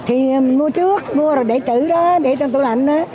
thì mua trước mua rồi để tự đó để trong tủ lạnh đó